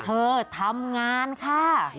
เธอทำงานค่ะ